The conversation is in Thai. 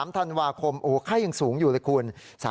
๓ธันวาคมไข้ยังสูงอยู่เลยคุณ